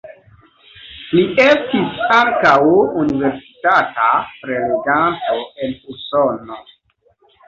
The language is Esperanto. Li estis ankaŭ universitata preleganto en Usono.